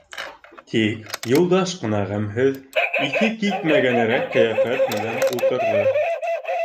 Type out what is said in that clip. Тик Юлдаш ҡына ғәмһеҙ, иҫе китмә-гәнерәк ҡиәфәт менән ултырҙы.